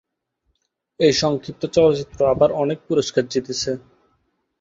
এই সংক্ষিপ্ত চলচ্চিত্র আবার অনেক পুরস্কার জিতেছে।